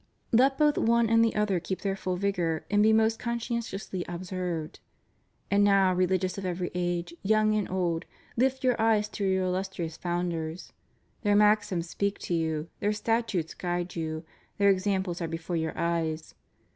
Let both one and the other keep their full vigor and be most conscientiously observed. And now, religious of every age, young and old, lift your eyes to your illustrious founders. Their maxims speak to you, their statutes guide you; their examples are before your eyes.